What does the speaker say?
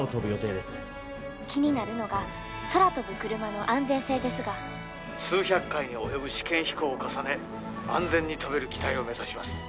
気になるのが空飛ぶクルマの安全性ですが「数百回に及ぶ試験飛行を重ね安全に飛べる機体を目指します」。